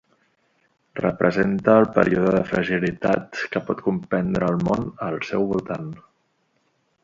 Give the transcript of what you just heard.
Representa el període de fragilitat que pot comprendre el món al seu voltant.